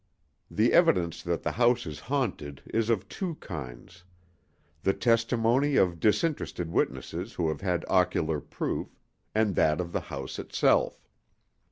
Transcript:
The evidence that the house is haunted is of two kinds: the testimony of disinterested witnesses who have had ocular proof, and that of the house itself.